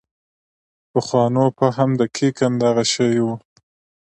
پخوانو فهم دقیقاً دغه شی و.